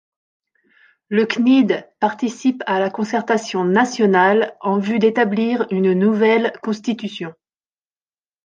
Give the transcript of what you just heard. Le Cnid participe à la concertation nationale en vue d’établir une nouvelle constitution.